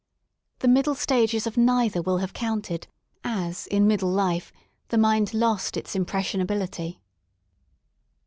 The middle stages of neither will have counted as, in middle life, the mind lost its impressionability.